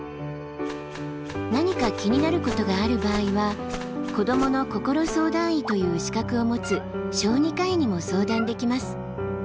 何か気になることがある場合は「子どもの心相談医」という資格を持つ小児科医にも相談できます。